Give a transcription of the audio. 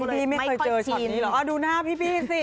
พี่ไม่เคยเจอช็อตนี้เหรอดูหน้าพี่สิ